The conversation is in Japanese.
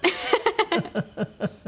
フフフフ。